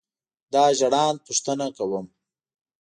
دا ژړاند پوښتنه کوم.